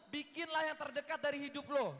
bikinlah yang terdekat dari hidup lo